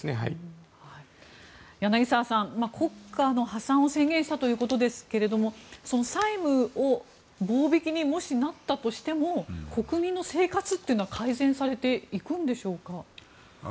柳澤さん、国家の破産を宣言したということですが債務が棒引きにもしなったとしても国民の生活というのは改善されていくんでしょうか。